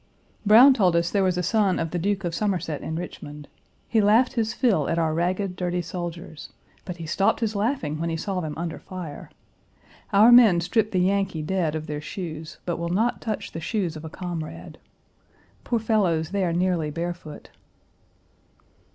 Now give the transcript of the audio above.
Browne told us there was a son of the Duke of Somerset in Richmond. He laughed his fill at our ragged, dirty soldiers, but he stopped his laughing when he saw them under fire. Our men strip the Yankee dead of their shoes, but will not touch the shoes of a comrade. Poor fellows, they are nearly barefoot.